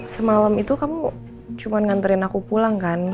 semalam itu kamu cuma nganterin aku pulang kan